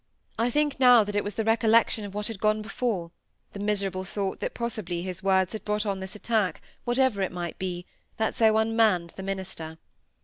I think now that it was the recollection of what had gone before; the miserable thought that possibly his words had brought on this attack, whatever it might be, that so unmanned the minister.